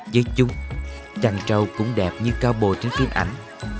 với chung chằng trâu cũng đẹp như cao bồ trên phim ảnh